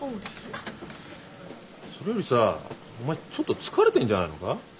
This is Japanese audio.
それよりさお前ちょっと疲れてんじゃないのか？